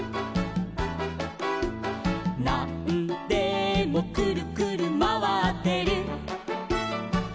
「なんでもくるくるまわってる」